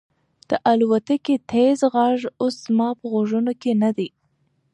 د الوتکې تېز غږ اوس زما په غوږونو کې نه دی.